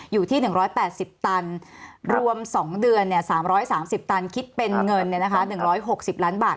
อยู่ที่๑๘๐ตันรวม๒เดือน๓๓๐ตันคิดเป็นเงิน๑๖๐ล้านบาท